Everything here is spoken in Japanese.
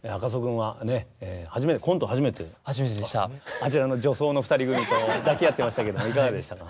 あちらの女装の２人組と抱き合ってましたけどもいかがでしたか？